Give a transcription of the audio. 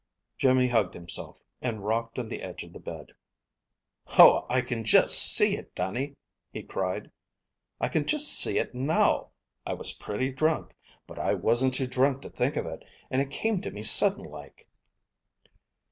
Jimmy hugged himself, and rocked on the edge of the bed. "Oh, I can just see it, Dannie," he cried. "I can just see it now! I was pretty drunk, but I wasn't too drunk to think of it, and it came to me sudden like."